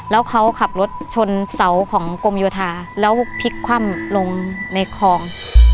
แล้วเขาขับรถชนเสาของกรมโยธาแล้วพลิกคว่ำลงในคลอง